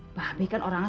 mba be kan orangnya